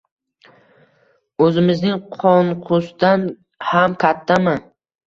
O‘zimizning Qonqusdan ham kattami?